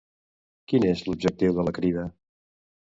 Quin és l'objectiu de la Crida?